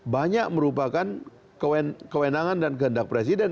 banyak merupakan kewenangan dan kehendak presiden